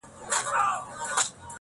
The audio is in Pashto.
د کلنۍ ازموینو پیل او ورځ یې وه